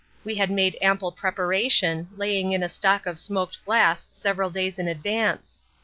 We had made ample preparation, laying in a stock of smoked glass several days in advance.